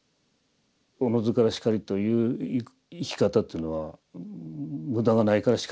自ずから然りという生き方というのは無駄がないから然りというわけですよ。